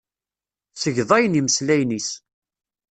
Segḍayen imeslayen-is.